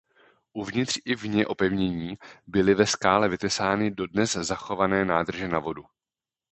Uvnitř i vně opevnění byly ve skále vytesány dodnes zachované nádrže na vodu.